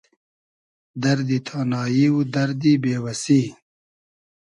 دئردی تانایی و دئردی بې وئسی